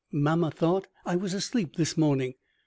Mamma thought I was asleep this morning.